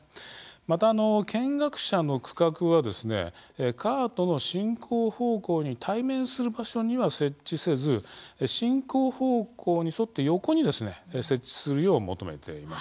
また、見学者の区画はカートの進行方向に対面する場所には設置せず進行方向に沿って横に設置するよう求めています。